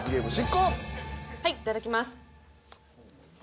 はいいただきます。